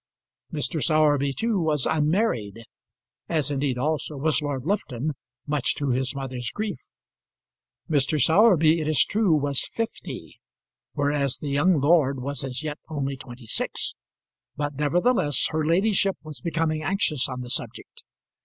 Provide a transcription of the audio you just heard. Mr. Sowerby, too, was unmarried as indeed, also, was Lord Lufton, much to his mother's grief. Mr. Sowerby, it is true, was fifty, whereas the young lord was as yet only twenty six, but, nevertheless, her ladyship was becoming anxious on the subject.